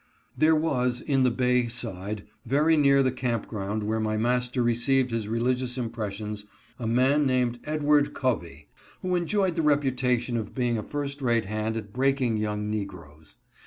There was, in the Bay side, very near the camp ground where my master received his religious impressions, a man named Edward Covey, who enjoyed the reputation of being a first rate hand at breaking young negroes.